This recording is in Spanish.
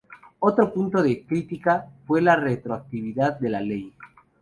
Otro punto de crítica fue la retroactividad de la ley.